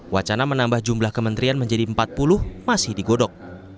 wacana menambah jumlah kementerian menjadi empat puluh masih digodok